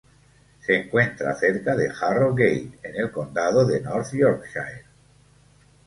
Se encuentra cerca de Harrogate en el condado de North Yorkshire.